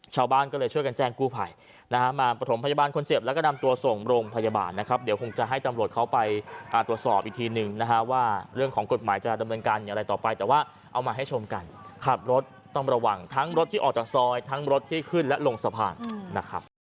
ชาวบ้านก็เลยช่วยกันแจ้งกู้ภัยนะฮะมาประถมพยาบาลคนเจ็บแล้วก็นำตัวส่งโรงพยาบาลนะครับเดี๋ยวคงจะให้ตำรวจเขาไปตรวจสอบอีกทีหนึ่งนะฮะว่าเรื่องของกฎหมายจะดำเนินการอย่างไรต่อไปแต่ว่าเอามาให้ชมกันขับรถต้องระวังทั้งรถที่ออกจากซอยทั้งรถที่ขึ้นและลงสะพานนะครับ